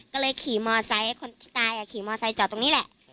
ก็เลยขี่มอไซค์คนที่ตายขี่มอไซคจอดตรงนี้แหละ